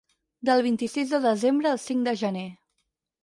Del vint-i-sis de desembre al cinc de gener.